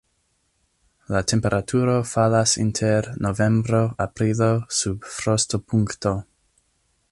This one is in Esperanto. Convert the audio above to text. La temperaturo falas inter novembro-aprilo sub frostopunkto.